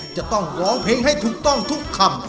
จะต้องร้องเพลงให้ถูกต้องทุกคำ